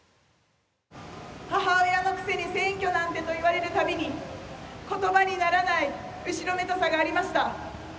「母親のくせに選挙なんて」と言われる度に言葉にならない後ろめたさがありました。